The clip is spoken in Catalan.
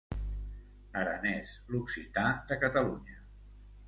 "Aranès, l'occità de Catalunya"